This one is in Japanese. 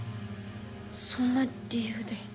そんな理由で。